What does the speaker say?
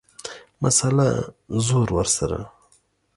مسئله ، زور ورسره.